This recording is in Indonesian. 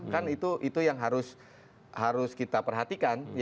kan itu yang harus kita perhatikan